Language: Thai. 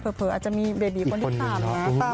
เผลออาจจะมีเบบีคนที่๓นะ